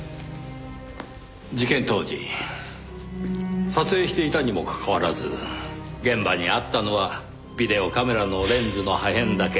事件当時撮影していたにもかかわらず現場にあったのはビデオカメラのレンズの破片だけ。